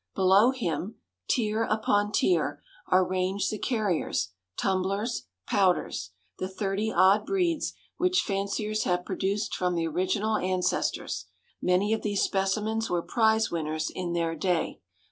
Below him, tier upon tier, are ranged the carriers, tumblers, pouters the thirty odd breeds which fanciers have produced from the original ancestors. Many of these specimens were prize winners in their day.